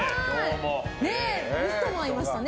ミストマンいましたね。